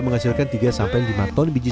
menghasilkan tiga sampai lima ton biji